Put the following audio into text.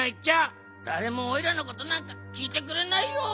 だれもおいらのことなんかきいてくれないよ！